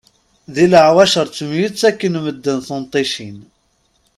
Di leɛwacer ttemyettakken medden tunṭicin.